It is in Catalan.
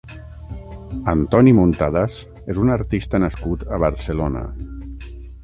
Antoni Muntadas és un artista nascut a Barcelona.